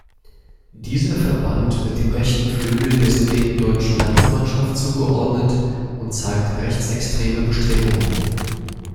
Dieser Verband wird dem rechten Flügel der Sudetendeutschen Landsmannschaft zugeordnet und zeigt rechtsextreme Bestrebungen.